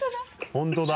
本当だ。